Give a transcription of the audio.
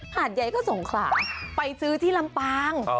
หาดใหญ่ก็สงขลาไปซื้อที่ลำปาง